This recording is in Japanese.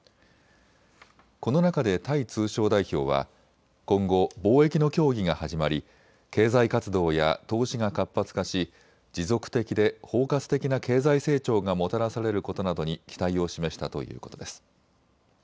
この中でタイ通商代表は、今後、貿易の協議が始まり経済活動や投資が活発化し持続的で包括的な経済成長がもたらされることなどに期待を示したということです。